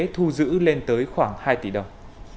thu giữ lên tới khoảng hai tỷ đồng